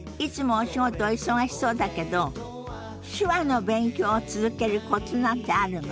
お忙しそうだけど手話の勉強を続けるコツなんてあるの？